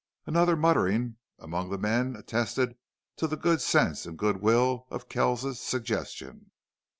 Another muttering among the men attested to the good sense and good will of Kells's suggestion.